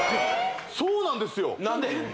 そうなんですよ何で？